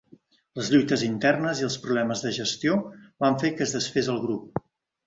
Les lluites internes i els problemes de gestió van fer que es desfés el grup.